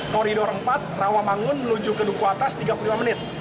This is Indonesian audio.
koridor empat rawamangun menuju ke duku atas tiga puluh lima menit